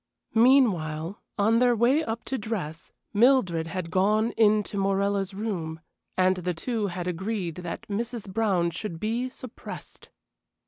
Meanwhile, on their way up to dress, Mildred had gone in to Morella's room, and the two had agreed that Mrs. Brown should be suppressed.